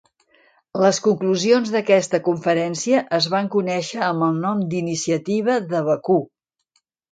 Les conclusions d'aquesta conferència es van conèixer amb el nom d'Iniciativa de Bakú.